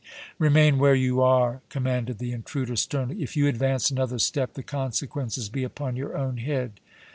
"Remain where you are!" commanded the intruder, sternly. "If you advance another step, the consequences be upon your own head!"